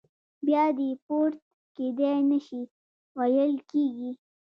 بیا دیپورت کېدای نه شي ویل کېږي.